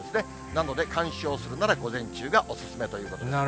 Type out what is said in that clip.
なので、観賞するなら午前中がお勧めということです。